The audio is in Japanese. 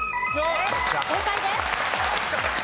正解です。